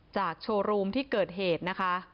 โชว์รูมที่เกิดเหตุนะคะ